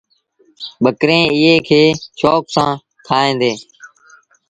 ٻڪريݩ ايئي کي شوڪ سآݩ کائيٚݩ ديٚݩ۔